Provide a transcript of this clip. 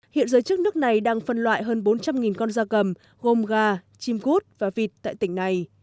hiện giới chức nước này đang phân loại hơn bốn trăm linh con da cầm gồm gà chim gút và vịt tại tỉnh này